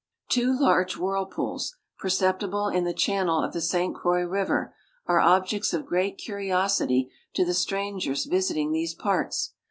Two large whirlpools^ perceptible in the channel of the St Croix river, are objects of great curiosity to the strangers visiting these parts.